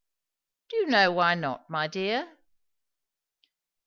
"Do you know why not, my dear?"